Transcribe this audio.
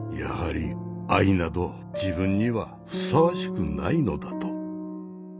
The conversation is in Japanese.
やはり愛など自分にはふさわしくないのだと。